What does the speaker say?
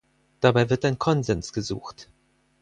Dabei wird ein Konsens gesucht.